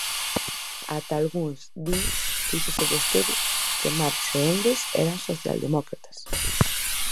Ata algúns din, fíxese vostede, que Marx e Engels eran socialdemócratas.